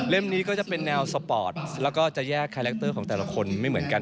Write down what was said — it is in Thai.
นี้ก็จะเป็นแนวสปอร์ตแล้วก็จะแยกคาแรคเตอร์ของแต่ละคนไม่เหมือนกัน